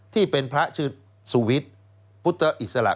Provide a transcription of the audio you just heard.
ที่เป็นพระชื่อสุวิทย์พุทธอิสระ